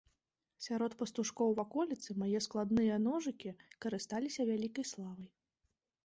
Сярод пастушкоў ваколіцы мае складныя ножыкі карысталіся вялікай славай.